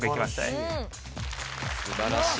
うん素晴らしい